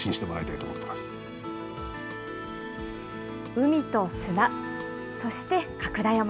海と砂、そして角田山。